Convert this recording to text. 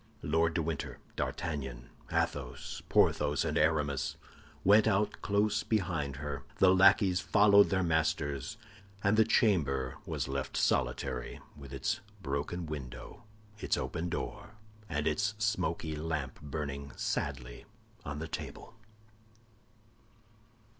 Lord de Winter, D'Artagnan, Athos, Porthos, and Aramis, went out close behind her. The lackeys followed their masters, and the chamber was left solitary, with its broken window, its open door, and its smoky lamp burning sadly on the table.